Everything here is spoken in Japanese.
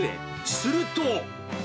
すると。